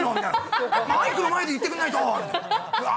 マイクの前にいてくれないと！